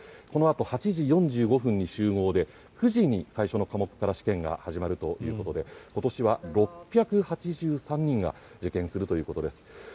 このあと８時４５分に集合で９時に最初の科目から試験が始まるということで今年は６８３人が受験するということです。